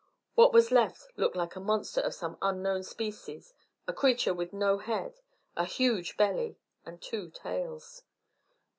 What was left looked like a monster of some unknown species; a creature with no head, a huge belly, and two tails.